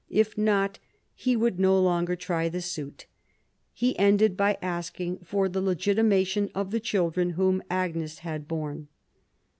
If not, he would no longer try the suit. He ended by asking for the legitimation of the children whom Agnes had borne.